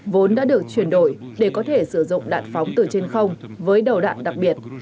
vốn đã được chuyển đổi để có thể sử dụng đạn phóng từ trên không với đầu đạn đặc biệt